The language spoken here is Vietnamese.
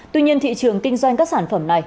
tuy nhiên thị trường kinh doanh các sản phẩm này